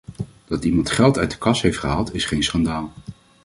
Dat iemand geld uit de kas heeft gehaald is geen schandaal.